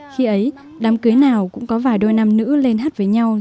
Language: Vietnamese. khi ấy đám cưới nào cũng có vài đôi nam nữ lên hát với nhau rất vui